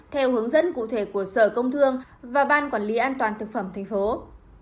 theo hướng dẫn cụ thể của sở công thương và ban quản lý an toàn thực phẩm tp hcm